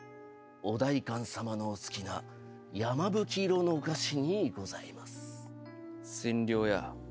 お代官さまのお好きな山吹色の菓子にございます。